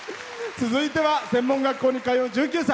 続いては専門学校に通う１９歳。